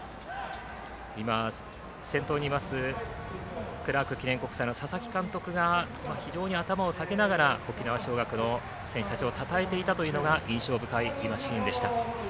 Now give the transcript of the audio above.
先頭にいますクラーク記念国際の佐々木監督が非常に頭を下げながら沖縄尚学の選手たちをたたえていたというのが印象深いシーンでした。